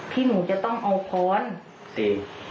มันก็ต้องเอาพรตทีร